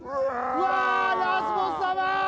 うわラスボス様！